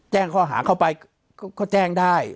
แจ้งข้อหาเข้าไปก็แจ้งได้